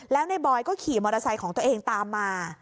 แล้วในบอยก็ขี่มอเตอร์ไซค์ของตัวเองตามมา